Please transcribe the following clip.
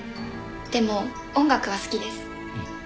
でも音楽は好きです。